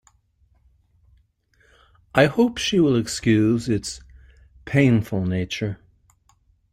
I hope she will excuse its painful nature.